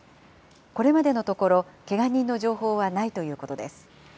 これまでのところ、けが人の情報はないということです。